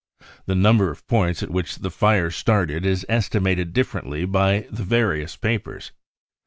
The number of points at which the fire started is estimated differently by the various papers.